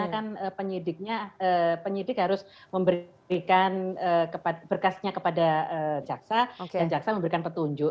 karena penyidik harus memberikan berkasnya kepada jaksa dan jaksa memberikan petunjuk